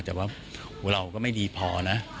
แต่ว่าเราก็ไม่ดีพอนะ